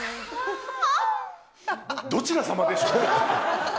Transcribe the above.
どちら様でしょうか？